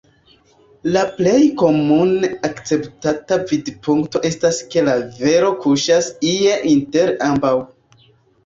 La plej komune akceptata vidpunkto estas ke la vero kuŝas ie inter ambaŭ.